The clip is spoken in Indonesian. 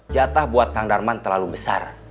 jatah buat kang darman terlalu besar